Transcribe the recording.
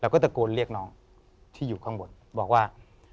ก็ตะโกนเรียกน้องที่อยู่ข้างบนบอกว่า